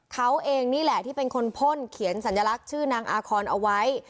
เขาเองนี่แหละที่เป็นคนพ่นเขียนสัญลักษณ์ชื่อนางอาคอนเอาไว้